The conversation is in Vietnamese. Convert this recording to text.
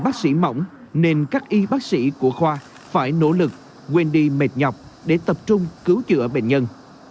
mặc dù đường phố không phải chúng tôi phản trọng trôn cắp